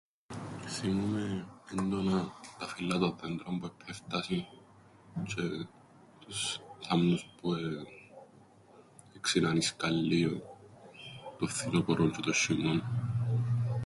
Θθυμούμαι έντονα τα φύλλα των δέντρων που εππέφτασιν, τζ̆αι τους θάμνους που εξηρανίσκαν λλίον το φθινόπωρον τζ̆αι τον σ̆ειμώναν.